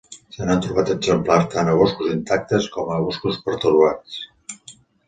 Se n'han trobat exemplars tant a boscos intactes com a boscos pertorbats.